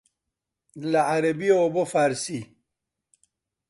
لە عەرەبییەوە بۆ فارسی